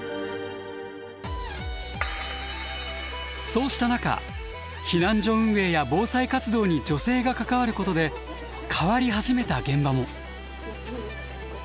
そうした中避難所運営や防災活動に女性が関わることで変わり始めた現場も。